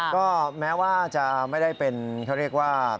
ก็แม้ว่าจะไม่ได้เป็นเขาเรียกว่า